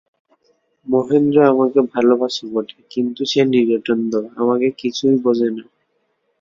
মহেন্দ্র আমাকে ভালোবাসে বটে, কিন্তু সে নিরেট অন্ধ, আমাকে কিছুই বোঝে না।